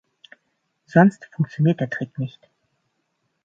Sonst funktioniert der Trick nicht.